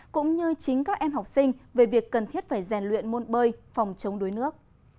cũng như chính các em học sinh về việc cần thiết phải rèn luyện môn bơi phòng chống đuối nước